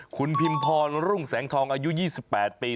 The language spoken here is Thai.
คุณพิมพรรุ่งแสงทองอายุ๒๘ปี